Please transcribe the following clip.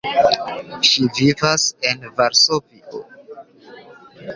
Ŝi vivas en Varsovio.